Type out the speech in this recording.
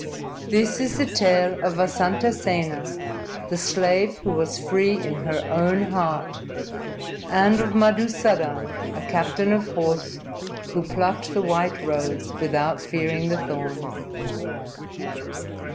_ _This is the tale of Vasantasena, the slave who was free in her own heart, and of Madusadan, a captain of horse, who plucked the white rose without fearing the thorns.